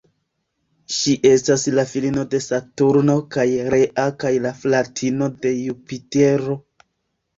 Ŝi estas la filino de Saturno kaj Rea kaj la fratino de Jupitero.